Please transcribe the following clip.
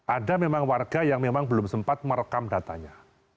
ada memang warga yang memang belum sempat merekam datanya